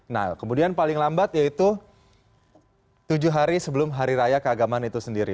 nah kemudian paling lambat yaitu tujuh hari sebelum hari raya keagamaan itu sendiri